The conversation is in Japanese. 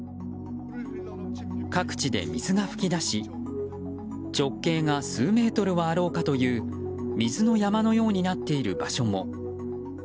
各地で水が噴き出し直径が数メートルはあろうかという水の山のようになっている場所も。